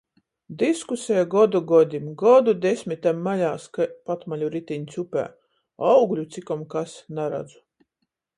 Diskuseja godu godim, godu desmitem maļās kai patmaļu ritiņs upē, augļu cikom kas naradzu.